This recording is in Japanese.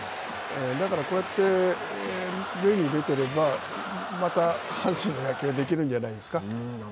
だから、こうやって塁に出てればまた阪神の野球ができるんじゃないですか。